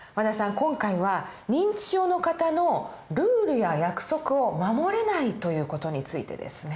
今回は認知症の方のルールや約束を守れないという事についてですね。